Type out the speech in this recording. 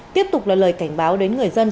tiếp tục là lời cảnh báo đến người dân